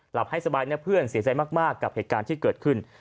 หลับให้สบายนะเพื่อนเสียใจมากกับเหตุการณ์ที่เกิดขึ้น